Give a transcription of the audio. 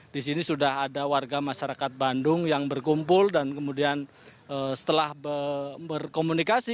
di sini sudah ada warga masyarakat bandung yang berkumpul dan kemudian setelah berkomunikasi